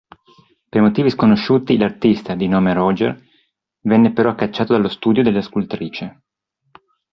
Per motivi sconosciuti, l'artista, di nome Roger, venne però cacciato dallo studio della scultrice.